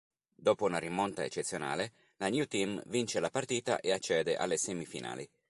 Dopo una rimonta eccezionale la New Team vince la partita e accede alle semifinali.